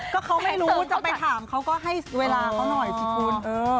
ก็เขาไม่รู้จะไปถามเขาก็ให้เวลาเขาหน่อยสิคุณ